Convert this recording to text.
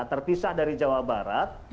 terpisah dari jawa barat